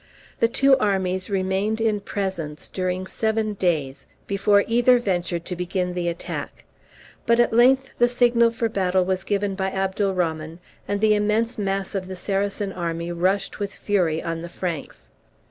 The two armies remained in presence during seven days before either ventured to begin the attack; but at length the signal for battle was given by Abdalrahman, and the immense mass of the Saracen army rushed with fury on the Franks.